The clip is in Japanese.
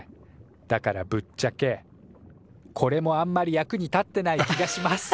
だからぶっちゃけこれもあんまり役に立ってない気がします。